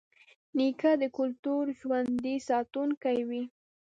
نیکه د کلتور ژوندي ساتونکی وي.